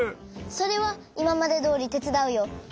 それはいままでどおりてつだうよ。